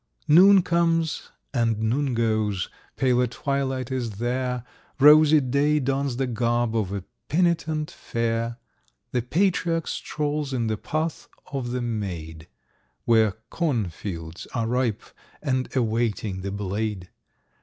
Noon comes, and noon goes, paler twilight is there; Rosy day dons the garb of a Penitent Fair; The patriarch strolls in the path of the maid, Where cornfields are ripe, and awaiting the blade.